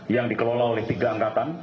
yang dikelola oleh tiga angkatan